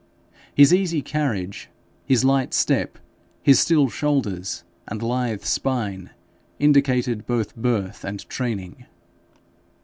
His easy carriage, his light step, his still shoulders and lithe spine, indicated both birth and training.